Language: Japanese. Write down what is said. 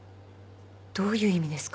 どういう意味ですか？